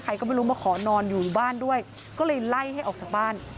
ก็ไม่รู้มาขอนอนอยู่บ้านด้วยก็เลยไล่ให้ออกจากบ้าน